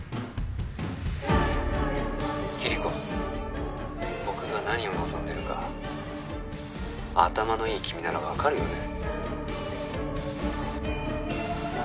キリコ僕が何を望んでるか頭のいい君なら分かるよね？